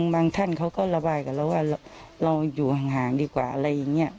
บางท่านเขาก็ระบายกับเราว่าเราอยู่ห่างดีกว่าอะไรอย่างนี้